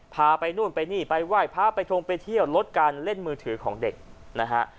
พาไปนู่นไปนี่ไปไหว้พาไปทงไปเที่ยวลดการเล่นมือถือของเด็กนะฮะ